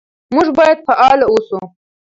موږ باید فعال اوسو.